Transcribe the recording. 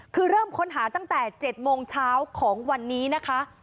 คือเริ่มค้นหาตั้งแต่๗โมงเช้าของวันนี้นะคะ